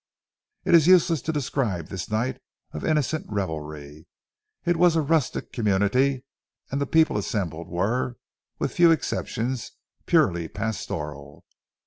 It is useless to describe this night of innocent revelry. It was a rustic community, and the people assembled were, with few exceptions, purely pastoral.